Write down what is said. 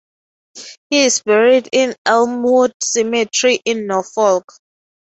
He is buried in Elmwood Cemetery in Norfolk.